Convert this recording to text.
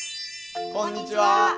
こんにちは。